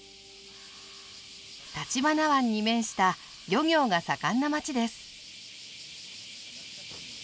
橘湾に面した漁業が盛んな町です。